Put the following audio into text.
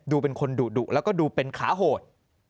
เป็นคนดุแล้วก็ดูเป็นขาโหด